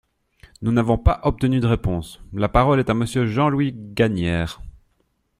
Nous n’avons pas obtenu de réponse ! La parole est à Monsieur Jean-Louis Gagnaire.